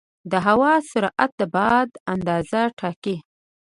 د هوا سرعت د باد اندازه ټاکي.